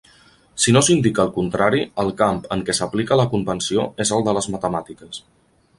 Si no s'indica el contrari, el camp en què s'aplica la convenció és el de les matemàtiques.